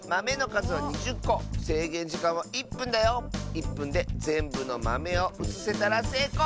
１ぷんでぜんぶのまめをうつせたらせいこう！